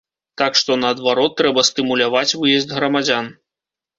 Так што, наадварот, трэба стымуляваць выезд грамадзян.